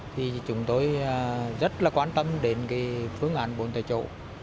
thì chúng tôi rất là quan tâm đến phương án bồn tại chỗ